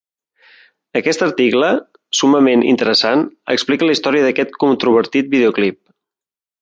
Aquest article, summament interessant, explica la història d'aquest controvertit videoclip.